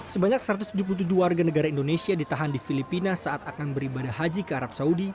sebanyak satu ratus tujuh puluh tujuh warga negara indonesia ditahan di filipina saat akan beribadah haji ke arab saudi